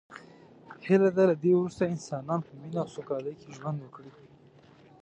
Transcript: هیله ده له دی وروسته انسانان په مینه او سوله کې ژوند وکړي.